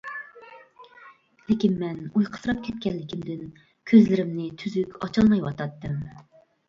لېكىن مەن ئۇيقۇسىراپ كەتكەنلىكىمدىن كۆزلىرىمنى تۈزۈك ئاچالمايۋاتاتتىم.